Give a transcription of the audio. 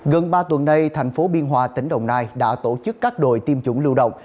gần ba tuần nay thành phố biên hòa tỉnh đồng nai đã tổ chức các đội tiêm chủng lưu động